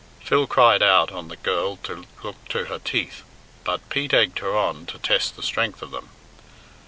Phil cried out on the girl to look to her teeth, but Pete egged her on to test the strength of them.